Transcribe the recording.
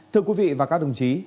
thưa quý vị và các đồng chí